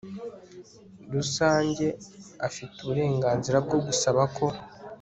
rusange afite uburenganzira bwo gusaba ko